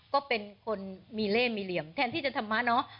ก็เป็นคนมีเล่มีเหลี่ยมแทนที่จะธรรมะเนาะ